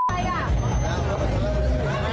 ไม่ครับกูจะกลายทำไง